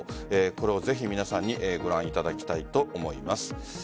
これをぜひ皆さんにご覧いただきたいと思います。